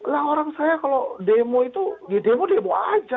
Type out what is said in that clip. lah orang saya kalau demo itu ya demo demo aja